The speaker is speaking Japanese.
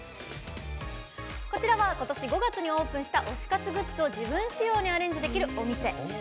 こちらは今年５月にオープンした推し活グッズを自分仕様にアレンジできるお店。